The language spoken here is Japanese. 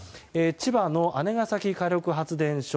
千葉の姉崎火力発電所